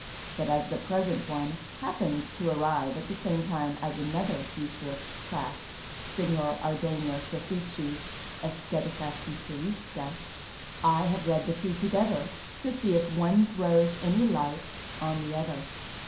But as the present one hajipcns to arrive at the same time as another Futurist tract — Signor Ardcngo Soffici's " Estetica Futurista "— I have read the two together, to see if one throws any light on the other.